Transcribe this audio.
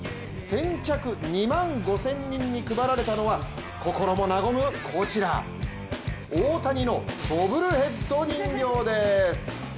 先着２万５０００人に配られたのは心も和むこちら、大谷のボブルヘッド人形です。